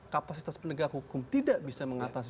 kapasitas penegak hukum tidak bisa mengatasi